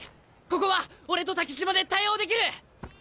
ここは俺と竹島で対応できる！